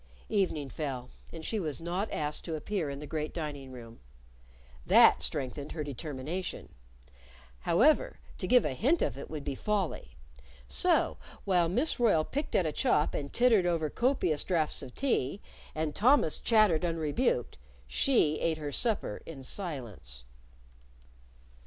Evening fell, and she was not asked to appear in the great dining room. That strengthened her determination. However, to give a hint of it would be folly. So, while Miss Royle picked at a chop and tittered over copious draughts of tea, and Thomas chattered unrebuked, she ate her supper in silence.